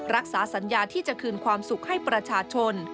รักษาสัญญาที่จะคืนความสุขให้ประชาชน